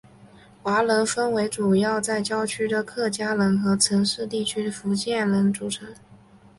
华人分为由主要在郊区的客家人和在城市地区的福建人组成。